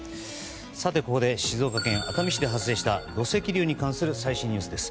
ここで静岡県熱海市で発生した土石流に関する最新ニュースです。